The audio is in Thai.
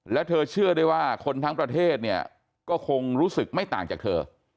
แล้วเธอเชื่อได้ว่าคนทั้งประเทศเนี่ยก็คงรู้สึกไม่ต่างจากเธอ